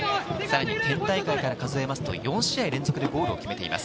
県大会から数えますと、４試合連続でゴールを決めています。